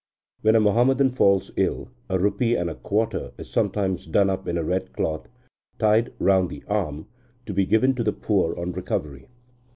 When a Muhammadan falls ill, a rupee and a quarter is sometimes done up in a red cloth, and tied round the arm, to be given to the poor on recovery.